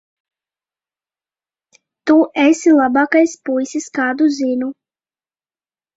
Tu esi labākais puisis, kādu zinu.